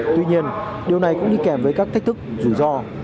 tuy nhiên điều này cũng đi kèm với các thách thức rủi ro